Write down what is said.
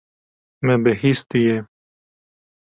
Me bihîstiye.